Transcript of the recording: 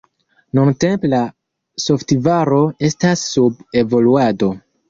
Nuntempe la softvaro estas sub evoluado.